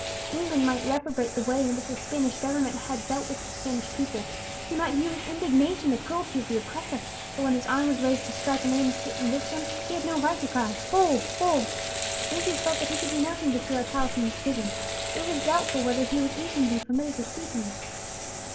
England might reprobate the way in which the Spanish government dealt with the Spanish people; she might view with indignation the cruelty of the oppressor; but when his arm was raised to strike an innocent victim, she had no right to cry, "Hold! hold!" Lucius felt that he could do nothing to free Alcala from his prison; it was doubtful whether he would even be permitted to see him there.